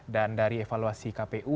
dan dari evaluasi kpu